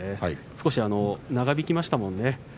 少し長引きましたもんね。